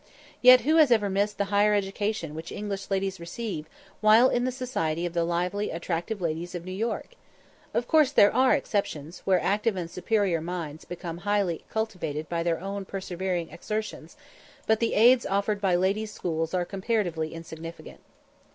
Yet who has ever missed the higher education which English ladies receive, while in the society of the lively, attractive ladies of New York? Of course there are exceptions, where active and superior minds become highly cultivated by their own persevering exertions; but the aids offered by ladies' schools are comparatively insignificant.